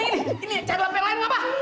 ini ini cari lampin lain apa